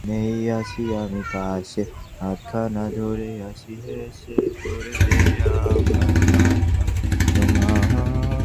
তিনি বর্তমান পদে থেকে মাদ্রাসা পরিচালনা করে যাচ্ছেন বলে স্বীকার করেন।